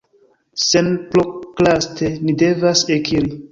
Senprokraste ni devas ekiri.